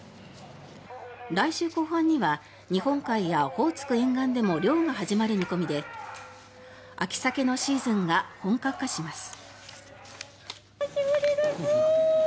来週後半には日本海やオホーツク沿岸でも漁が始まる見込みで秋サケのシーズンが本格化します。